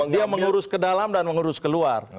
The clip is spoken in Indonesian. dia mengurus ke dalam dan mengurus ke luar